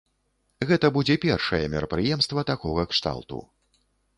Гэта будзе першае мерапрыемства такога кшталту.